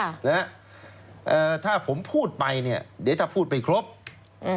ค่ะนะฮะเอ่อถ้าผมพูดไปเนี้ยเดี๋ยวถ้าพูดไปครบอืม